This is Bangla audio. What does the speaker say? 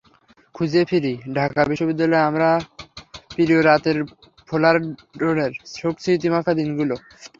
খুঁজে ফিরি ঢাকা বিশ্ববিদ্যালয়ের আমার প্রিয় রাতের ফুলার রোডের সুখস্মৃতিমাখা দিনগুলো।